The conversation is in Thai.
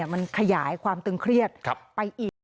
มันขยายความตึงเครียดไปอีก